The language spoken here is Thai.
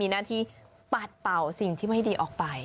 หน้าที่ปัดเป่าสิ่งที่ไม่ดีออกไป